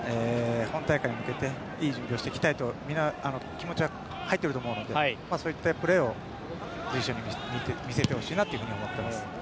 本大会に向けていいゲームをしていきたいと皆、気持ちは入っていると思うのでそういったプレーを随所に見せてほしいなと思っております。